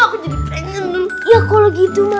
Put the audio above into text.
aku jadi pengen dulu